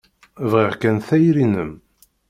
Bɣiɣ kan tayri-nnem.